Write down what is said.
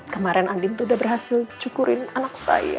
kemaren andin tuh udah berhasil cukurin anak saya